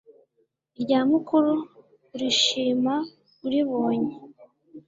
irya mukuru urishima uribonye